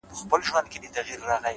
عاجزي د اړیکو ښکلا ده؛